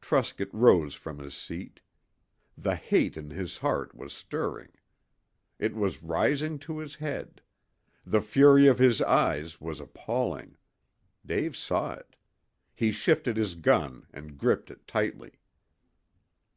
Truscott rose from his seat. The hate in his heart was stirring. It was rising to his head. The fury of his eyes was appalling. Dave saw it. He shifted his gun and gripped it tightly.